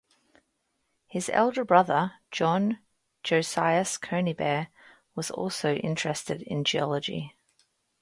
His elder brother, John Josias Conybeare, was also interested in geology.